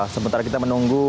sebentar kita menunggu